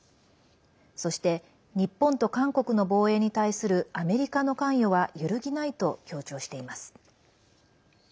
そして日本と韓国の防衛に対するアメリカの関与は揺ぎないと強調しています。